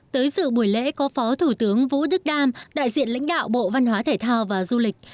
tới sự buổi lễ có phó thủ tướng vũ đức đam đại diện lãnh đạo bộ văn hóa thể thao và du lịch